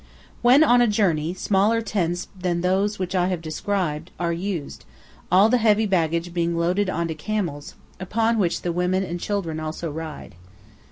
When on a journey smaller tents than those which I have described are used, all the heavy baggage being loaded on to camels, upon which the women and children also ride.